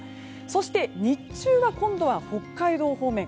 そして日中、今度は北海道方面。